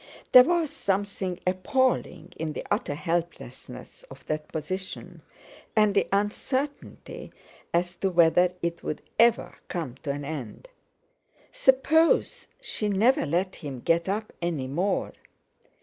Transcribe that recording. There was something appalling in the utter helplessness of that position, and the uncertainty as to whether it would ever come to an end. Suppose she never let him get up any more!